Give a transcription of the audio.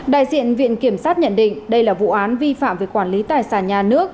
đại diện viện kiểm sát nhận định đây là vụ án vi phạm về quản lý tài sản nhà nước